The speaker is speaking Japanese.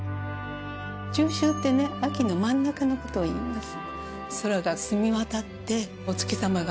中秋ってね秋の真ん中のことをいいます